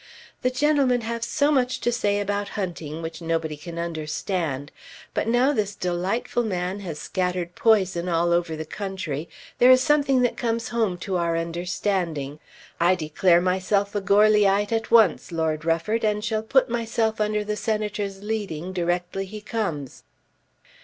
"The gentlemen have so much to say about hunting which nobody can understand! But now this delightful man has scattered poison all over the country there is something that comes home to our understanding. I declare myself a Goarlyite at once, Lord Rufford, and shall put myself under the Senator's leading directly he comes."